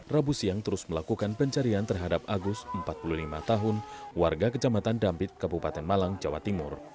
rabu siang terus melakukan pencarian terhadap agus empat puluh lima tahun warga kecamatan dampit kabupaten malang jawa timur